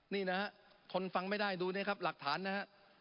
นี่นะฮะทนฟังไม่ได้ดูนี่ครับหลักฐานนะฮะ